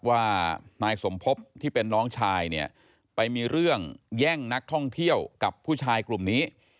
ว่านายสมภพที่เป็นน้องชายเนี่ยไปมีเรื่องแย่งนักท่องเที่ยวกับผู้ชายกลุ่มนี้